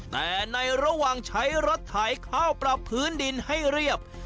แต่ในระหว่างใช้รถไถเข้าปรับพื้นดินให้เรียบ